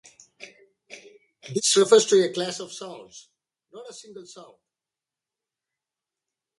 This refers to a class of sounds, not a single sound.